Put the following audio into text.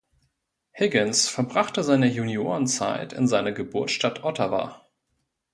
Higgins verbrachte seine Juniorenzeit in seiner Geburtsstadt Ottawa.